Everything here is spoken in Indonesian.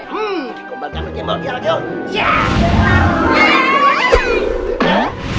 hmm kumpulkan lagi mau dia lagi yuk